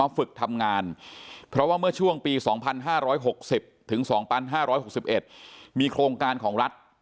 ฝึกทำงานเพราะว่าเมื่อช่วงปี๒๕๖๐ถึง๒๕๖๑มีโครงการของรัฐ